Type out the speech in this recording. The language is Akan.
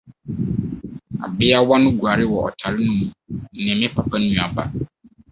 Abeawa no guare wɔ ɔtare no mu ne me papa nua ba.